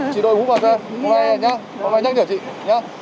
chị đội ngũ bảo hiểm